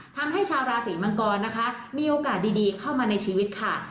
ทำให้ชาวราศีมังกรนะคะมีโอกาสดีเข้ามาในชีวิตค่ะ